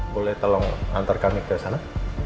boleh tolong antar kami ke sana